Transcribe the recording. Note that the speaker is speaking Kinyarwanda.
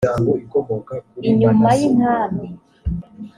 inyuma y’inkambi